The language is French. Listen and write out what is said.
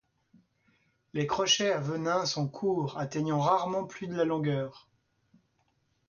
Les crochets à venin sont courts, atteignant rarement plus de de longueur.